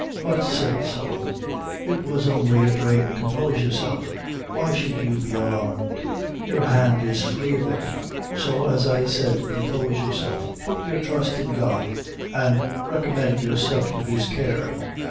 "Hut," said Sullivan, "it was only a drame; compose yourself; why should you be alarmed? your hand is free of it. So, as I said, compose yourself; put your trust in God, an' recommend yourself to his care."